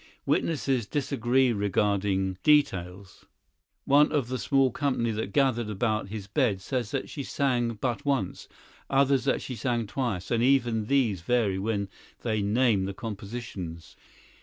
Witnesses disagree regarding details. One of the small company that gathered about his bed says she sang but once, others that she sang twice; and even these vary when they name the compositions.